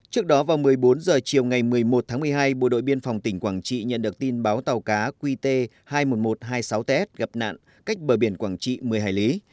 trước đó vào một mươi bốn h chiều ngày một mươi một tháng một mươi hai bộ đội biên phòng tỉnh quảng trị nhận được tin báo tàu cá qt hai mươi một nghìn một trăm hai mươi sáu ts gặp nạn cách bờ biển quảng trị một mươi hải lý